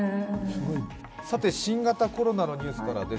さて新型コロナのニュースからです。